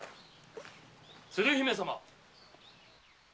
・鶴姫様！